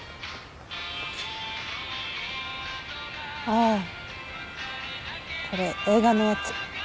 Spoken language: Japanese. ああこれ映画のやつ。